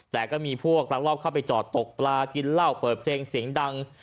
แต่ก็มีพวกรักรอบเข้าไปจอดตกปลากินเหล้าเปิดเพลงเสียงดัง